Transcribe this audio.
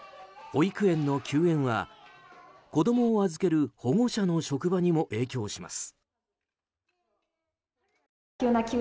保育園の休園は子供を預ける保護者の職場にも影響します。